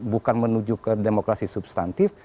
bukan menuju ke demokrasi substantif